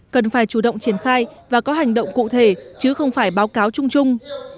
cần phải chủ động triển khai và có hành động cụ thể chứ không phải báo cáo chung chung